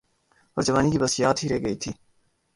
اورجوانی کی بس یاد ہی رہ گئی تھی۔